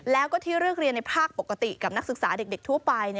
แล้วก็ที่เลือกเรียนในภาคปกติกับนักศึกษาเด็กทั่วไป